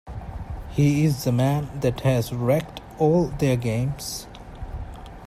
He is the man that has wrecked all their games.